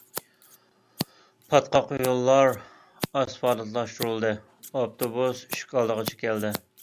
پاتقاق يوللار ئاسفالتلاشتۇرۇلدى، ئاپتوبۇس ئىشىك ئالدىغىچە كەلدى.